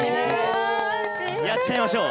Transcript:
やっちゃいましょう。